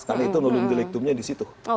karena itu nulung jeliktumnya di situ